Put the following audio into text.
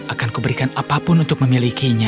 akanku berikan apapun untuk memilikinya